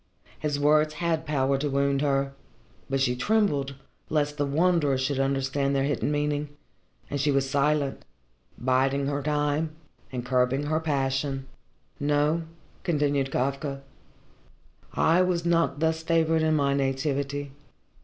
His words had power to wound her, but she trembled lest the Wanderer should understand their hidden meaning, and she was silent, biding her time and curbing her passion. "No," continued Kafka, "I was not thus favoured in my nativity.